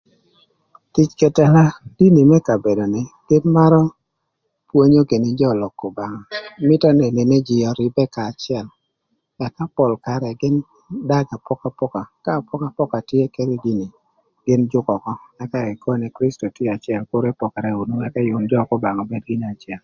Tic k'ëtëla dini më kabedo ni gïn marö pwonyo gïnï jö lok k'Obanga, mïtö gïnï nï jïï örïbërë kanya acël ëka pol karë gïn dag apokapoka, k'apokapoka tye ï kin jïï gïn jükö ökö na bër ekobo nï Kiricito tye acël kür epokere onu ebedo jö k'Obanga obed gïnï acël.